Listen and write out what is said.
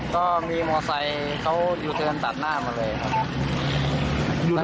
ก็มีมอไซค์เขายูเทิร์นตัดหน้ามาเลยครับ